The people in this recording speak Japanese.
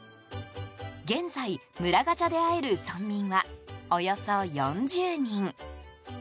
現在、村ガチャで会える村民はおよそ４０人。